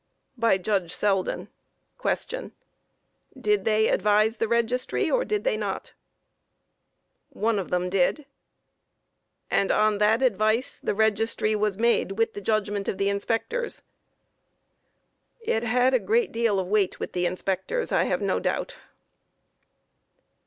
By JUDGE SELDEN: Q. Did they advise the registry, or did they not? A. One of them did. Q. And on that advice the registry was made with the judgment of the inspectors. A. It had a great deal of weight with the inspectors, I have no doubt.